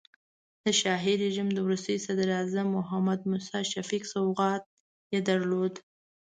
د شاهي رژیم د وروستي صدراعظم محمد موسی شفیق سوغات یې درلود.